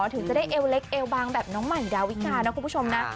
ถึงจะได้เอวเล็กเอวบางแบบน้องใหม่ดาวิกานะคุณผู้ชมนะ